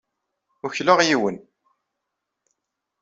Ukleɣ yiwen.